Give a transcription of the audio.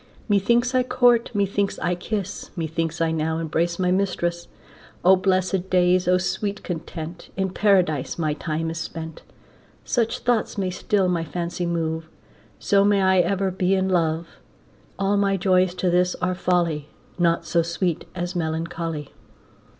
Methinks I court, methinks I kiss, Methinks I now embrace my mistress. O blessed days, O sweet content, In Paradise my time is spent. Such thoughts may still my fancy move, So may I ever be in love. All my joys to this are folly, Naught so sweet as melancholy.